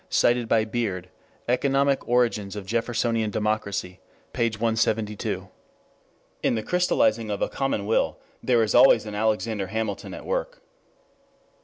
Cited by Beard, Economic Origins of Jeffersonian Democracy, p. 172.] In the crystallizing of a common will, there is always an Alexander Hamilton at work.